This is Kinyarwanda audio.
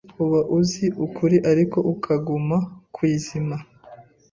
uba uzi ukuri ariko akaguma kwizima.